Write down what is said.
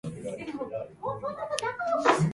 水の呼吸漆ノ型雫波紋突き（しちのかたしずくはもんづき）